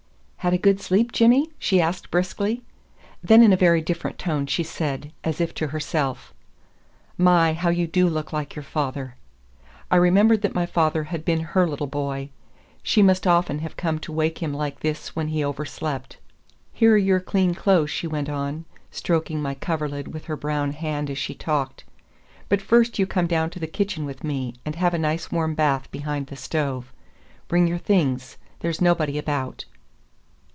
"Had a good sleep, Jimmy?" she asked briskly. Then in a very different tone she said, as if to herself, "My, how you do look like your father!" I remembered that my father had been her little boy; she must often have come to wake him like this when he overslept. "Here are your clean clothes," she went on, stroking my coverlid with her brown hand as she talked. "But first you come down to the kitchen with me, and have a nice warm bath behind the stove. Bring your things; there's nobody about."